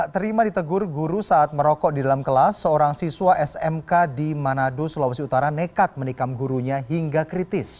terima ditegur guru saat merokok di dalam kelas seorang siswa smk di manado sulawesi utara nekat menikam gurunya hingga kritis